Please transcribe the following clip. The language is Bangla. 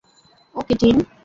ওকে, টিম।